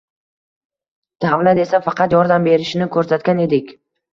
davlat esa faqat yordam berishini ko‘rsatgan edik.